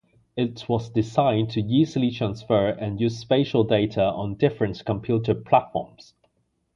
It was designed to easily transfer and use spatial data on different computer platforms.